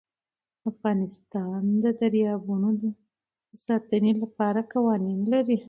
افغانستان د دریابونه د ساتنې لپاره قوانین لري.